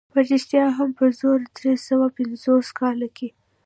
په رښتیا هم په زرو درې سوه پنځوسم کال کې.